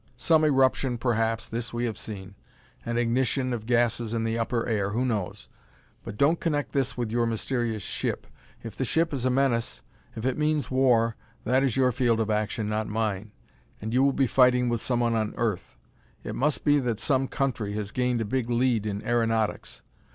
Some eruption, perhaps, this we have seen an ignition of gasses in the upper air who knows? But don't connect this with your mysterious ship. If the ship is a menace, if it means war, that is your field of action, not mine. And you will be fighting with someone on Earth. It must be that some country has gained a big lead in aeronautics.